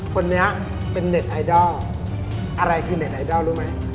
คนนี้เป็นเน็ตไอดอลอะไรคือเน็ตไอดอลรู้ไหม